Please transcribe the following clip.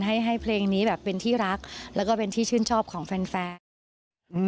ให้ให้เพลงนี้แบบเป็นที่รักแล้วก็เป็นที่ชื่นชอบของแฟนแฟน